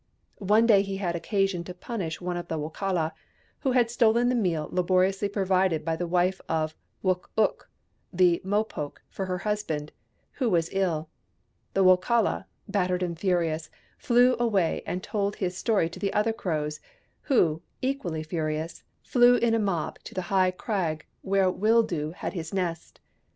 One day he had occasion to punish one of the Wokala, who had stolen the meal laboriously provided by the wife of Wook ook, the Mopoke, for her husband, who was ill. The Wokala, battered and furious, flew away and told his story to the other Crows ; who, equally furious, flew in a mob to the high crag where Wildoo had his nest.